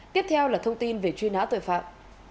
tiếp theo là thông tin về truy nã tội phạm